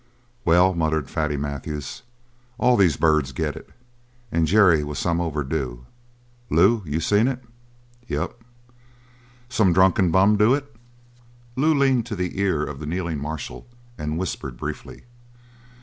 "Well," muttered Fatty Matthews, "all these birds get it. And Jerry was some overdue. Lew, you seen it?" "Yep." "Some drunken bum do it?" Lew leaned to the ear of the kneeling marshal and whispered briefly.